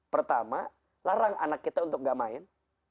pertama larang anak kita untuk gak main